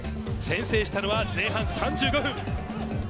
先制したのは前半３５分。